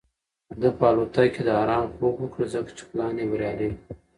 ده په الوتکه کې د ارام خوب وکړ ځکه چې پلان یې بریالی و.